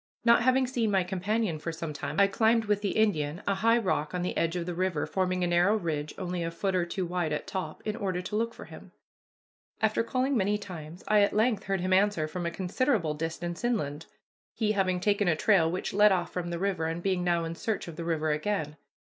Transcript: Not having seen my companion for some time, I climbed with the Indian a high rock on the edge of the river forming a narrow ridge only a foot or two wide at top, in order to look for him. After calling many times I at length heard him answer from a considerable distance inland, he having taken a trail which led off from the river, and being now in search of the river again.